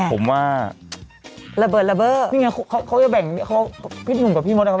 ผมว่าระเบิดระเบิดนี่ไงเขาจะแบ่งเขาพี่หนุ่มกับพี่มดนะครับ